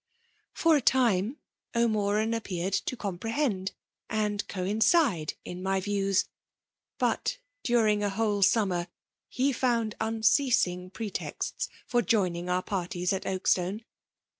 ''For a time 0*Moran appeared to compre^ bend and coincide in my views ; but, daring a vidiele sumfner, he found unceasing pretexts for joining o«r parties at Oakstone.